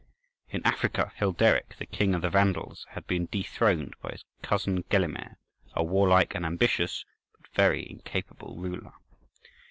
In Africa, Hilderic, the king of the Vandals, had been dethroned by his cousin Gelimer, a warlike and ambitious, but very incapable, ruler.